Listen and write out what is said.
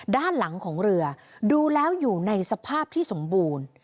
ด้านหลังของเรือดูแล้วอยู่ในสภาพที่สมบูรณ์